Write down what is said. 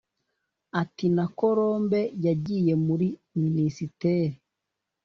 Ati “Na Colombe yagiye muri Minisiteri